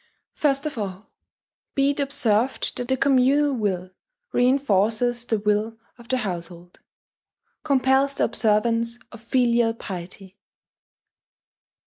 First of all, be it observed that the communal will reinforces the will of the household, compels the observance of filial piety.